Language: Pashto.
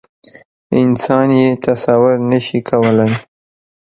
انسان یې تصویر نه شي کولی.